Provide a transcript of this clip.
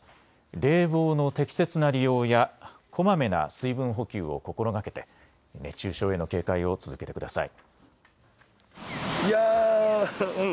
冷房の適切な利用やこまめな水分補給を心がけて熱中症への警戒を続けてください。